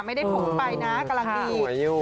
ไม่ได้ผมไปนะกำลังดีด